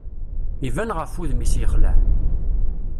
Iban ɣef wudem-is yexleɛ.